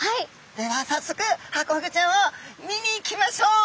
ではさっそくハコフグちゃんを見に行きましょう！